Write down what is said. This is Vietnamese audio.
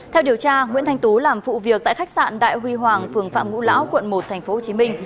theo điều tra nguyễn thanh tú làm phụ việc tại khách sạn đại huy hoàng phường phạm ngũ lão quận một tp hcm